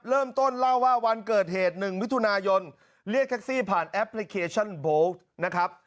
เริ่มต้นเล่าว่าวันเกิดเหตุ๑มิถุนายนเรียกแท็กซี่ผ่านแอปพลิเคชันโบ๊คนะครับ